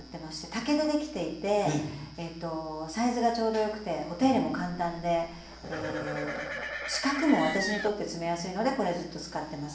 竹でできていてえとサイズがちょうど良くてお手入れも簡単で四角も私にとって詰めやすいのでこれずっと使ってます。